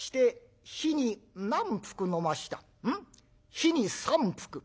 日に３服？